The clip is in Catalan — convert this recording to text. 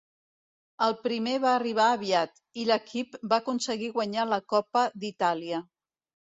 El primer va arribar aviat, i l'equip va aconseguir guanyar la Copa d'Itàlia.